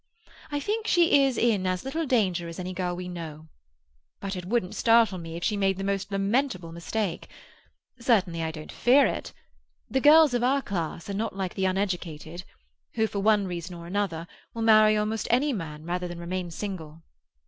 "I think she is in as little danger as any girl we know. But it wouldn't startle me if she made the most lamentable mistake. Certainly I don't fear it. The girls of our class are not like the uneducated, who, for one reason or another, will marry almost any man rather than remain single.